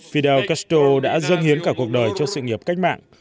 fidel castro đã dâng hiến cả cuộc đời cho sự nghiệp cách mạng